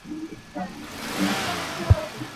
Cada figura lleva un bastón, una espada o una moneda.